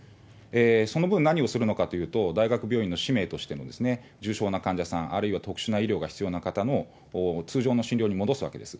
その分何をするのかというと、大学病院の使命として、重症な患者さん、あるいは特殊な医療が必要な方の通常の診療に戻すわけです。